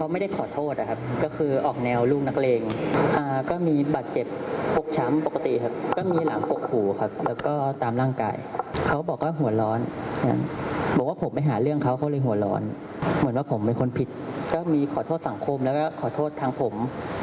ไม่ติดใจครับไม่ยอมความครับ